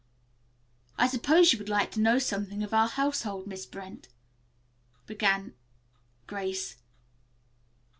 "I suppose you would like to know something of our household, Miss Brent," began Grace.